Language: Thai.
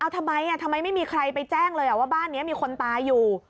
ทำไมทำไมไม่มีใครไปแจ้งเลยว่าบ้านนี้มีคนตายอยู่